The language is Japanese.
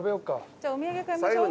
じゃあお土産買いましょう。